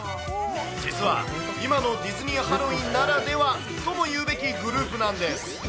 実は、今のディズニーハロウィーンならではというべきグループなんです。